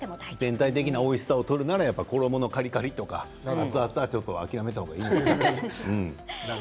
全体的なおいしさを取るなら衣のカリカリとか熱々はそうですね。